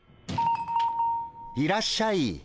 いらっしゃい。